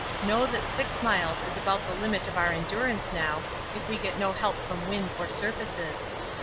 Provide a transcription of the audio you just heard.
Know that 6 miles is about the limit of our endurance now, if we get no help from wind or surfaces.